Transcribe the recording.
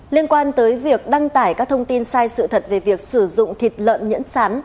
liên quan tới việc đăng tải các thông tin sai sự thật về việc sử dụng thịt lợn nhẫn sán